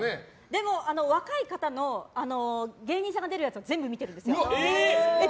でも若い方の芸人さんが出るやつは全部見てるんですよ。